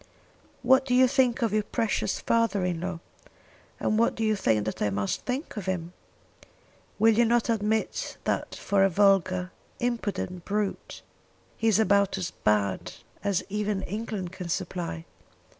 "What do you think of your precious father in law; and what do you think that I must think of him? Will you not admit that for a vulgar, impudent brute, he is about as bad as even England can supply?"